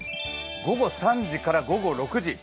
午後３時から午後６時。